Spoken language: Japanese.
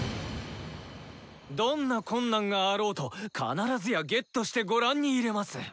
どんな困難があろうと必ずやゲットしてご覧に入れます！